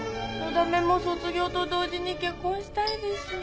だめも卒業と同時に結婚したいですぅ。